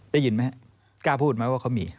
ได้ยินไหมกล้าพูดไหมว่าเขามี